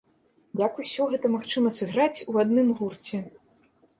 Як усё гэта магчыма сыграць у адным гурце?